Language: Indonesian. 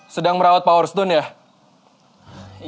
sedang merawat power stone ya